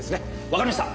わかりました。